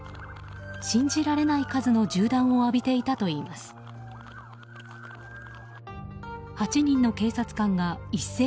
信じられない数の銃弾を浴びていたといいます。